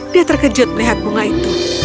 dia terkejut melihat bunga itu